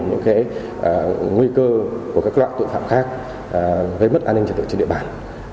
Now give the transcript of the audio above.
những nguy cơ của các loại tội phạm khác gây mất an ninh trật tự trên địa bàn